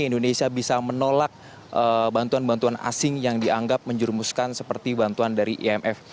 indonesia bisa menolak bantuan bantuan asing yang dianggap menjurumuskan seperti bantuan dari imf